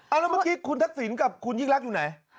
แล้วเมื่อกี้คุณทักษิณกับคุณยิ่งรักอยู่ไหน